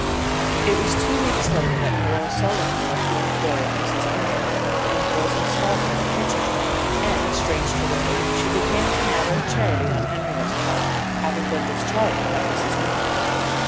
It was two weeks later that Norah Sullivan left the employ of Mrs. Innitt and was installed in our kitchen; and, strange to relate, she came as a matter of charity on Henriette's part having been discharged by Mrs. Innitt.